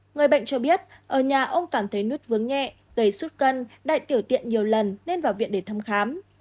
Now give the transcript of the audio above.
người bệnh cho biết ở nhà ông cảm thấy nút vướng nhẹ gầy sút cân đại tiểu tiện nhiều lần nên vào viện để thăm khám